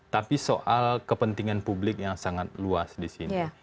tapi soal kepentingan publik yang sangat luas di sini